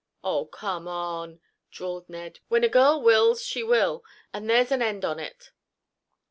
"Oh, come on," drawled Ned, "when a girl wills, she will—and there's an end on it."